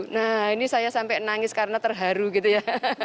nah ini saya sampai nangis karena terharu gitu ya